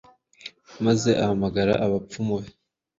Maze ahamagara abapfumu be,